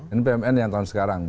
ini bumn yang tahun sekarang